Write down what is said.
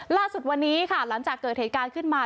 ล่าสุดวันนี้ค่ะหลังจากเกิดเหตุการณ์ขึ้นมา